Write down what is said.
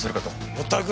おたく